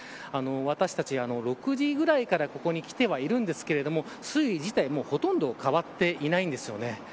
私たち６時ぐらいから階段に来てはいるんですが水位自体ほとんど変わっていないんですよね。